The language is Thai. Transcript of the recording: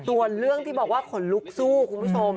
ส่วนเรื่องที่บอกว่าขนลุกสู้คุณผู้ชม